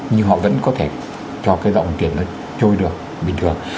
nhưng họ vẫn có thể cho cái dòng tiền nó trôi được bình thường